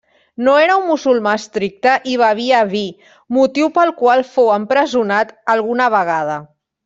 No era un musulmà estricte i bevia vi, motiu pel qual fou empresonat alguna vegada.